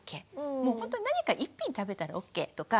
もうほんとに何か１品食べたらＯＫとか。